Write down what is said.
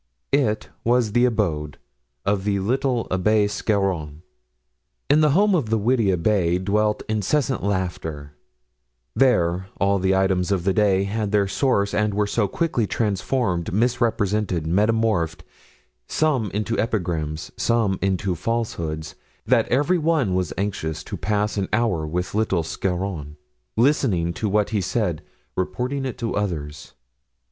It was the abode of the little Abbé Scarron. In the home of the witty abbé dwelt incessant laughter; there all the items of the day had their source and were so quickly transformed, misrepresented, metamorphosed, some into epigrams, some into falsehoods, that every one was anxious to pass an hour with little Scarron, listening to what he said, reporting it to others.